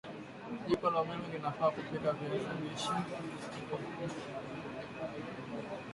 jiko la umeme linafaa kupika viazi lishe